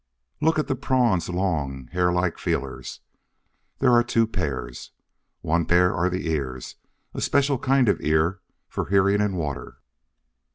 Look now at the Prawn's long, hair like feelers. There are two pairs. On one pair are the ears, a special kind of ear for hearing in water.